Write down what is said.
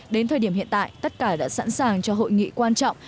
đến thời điểm hiện tại tất cả đã sẵn sàng cho hội nghị quan trọng